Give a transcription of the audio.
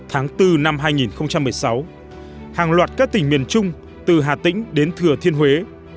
hàng loạt các tỉnh miền trung từ hà tĩnh đến thừa thiên huế